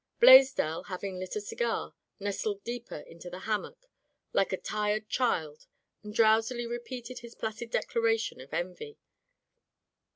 Blaisdell, having lit a cigar, nestled deeper into the hammock like a tired child and drowsily repeated his placid declaration of envy.